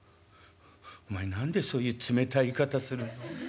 「お前何でそういう冷たい言い方するの？